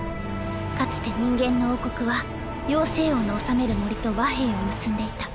かつて人間の王国は妖精王の治める森と和平を結んでいた。